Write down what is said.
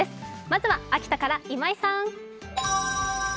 まずは秋田から今井さん。